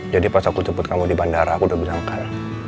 jadi pas aku jemput kamu di bandara aku udah bilang kan